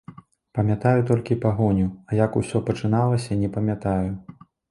Памятаю толькі пагоню, а як усё пачыналася, не памятаю.